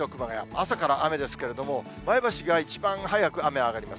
朝から雨ですけれども、前橋が一番早く雨上がります。